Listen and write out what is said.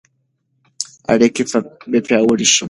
اړیکې به پیاوړې شي.